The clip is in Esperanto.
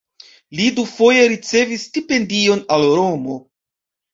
Li dufoje ricevis stipendion al Romo.